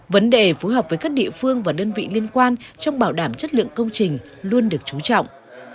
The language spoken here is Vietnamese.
vấn đề phối hợp với các địa phương và đơn vị liên quan trong bảo đảm chất lượng công trình luôn được chú trọng